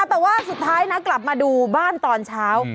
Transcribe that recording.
แต่ว่าสุดท้ายนะกลับมาดูบ้านตอนเช้า